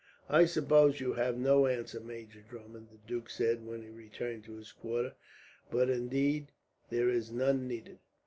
"I suppose you have no answer, Major Drummond," the duke said, when he returned to his quarters; "but indeed, there is none needed."